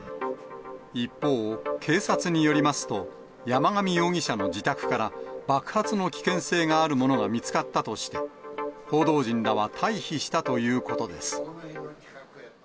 一方、警察によりますと、山上容疑者の自宅から爆発の危険性があるものが見つかったとして、報道陣らは退避したということです。